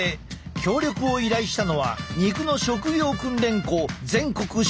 協力を依頼したのは肉の職業訓練校全国食肉学校。